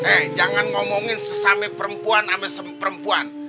eh jangan ngomongin sesama perempuan sama seperempuan